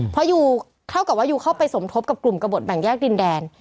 พอยูเท่ากับว่ายูเข้าไปสมทบกับกลุ่มกระบดแบ่งแยกดินแดน